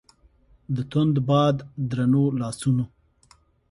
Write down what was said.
د توند باد درنو لاسونو